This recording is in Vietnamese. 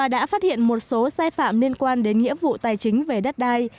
đã phát hiện một số sai phạm liên quan đến nghĩa vụ tài chính về đất đai